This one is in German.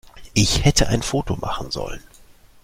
Ich hätte ein Foto machen sollen.